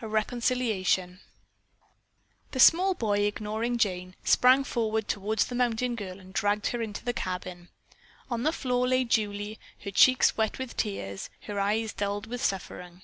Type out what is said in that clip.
A RECONCILIATION The small boy, ignoring Jane, sprang toward the mountain girl and dragged her into the cabin. On the floor lay Julie, her cheeks wet with tears, her eyes dulled with suffering.